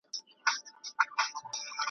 ټوله ښکلا ورڅخه واخلي .